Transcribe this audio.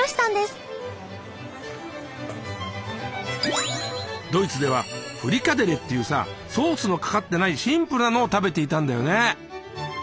まずはドイツではフリカデレっていうさソースのかかってないシンプルなのを食べていたんだよね。